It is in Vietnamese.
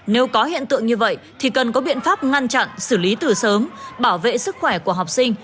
nếu có hiện tượng như vậy thì cần có biện pháp ngăn chặn xử lý từ sớm bảo vệ sức khỏe của học sinh